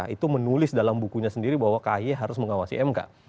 itu menulis dalam bukunya sendiri bahwa kaye harus mengawasi mk